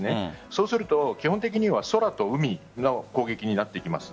そうすると基本的には空と海の攻撃になってきます。